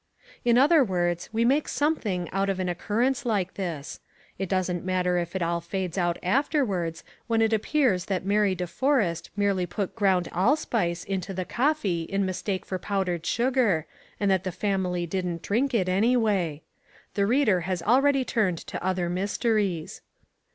In other words we make something out of an occurrence like this. It doesn't matter if it all fades out afterwards when it appears that Mary De Forrest merely put ground allspice into the coffee in mistake for powdered sugar and that the family didn't drink it anyway. The reader has already turned to other mysteries.